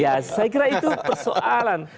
ya saya kira itu persoalan